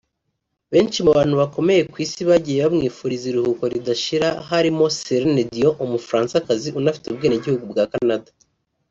Benshi mu bantu bakomeye ku Isi bagiye bamwifuriza iruhuko ridashira harimo Celine Dio umufaransakazi unafite ubwenegihugu bwa Canada